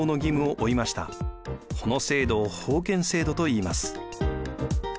この制度を封建制度といいます。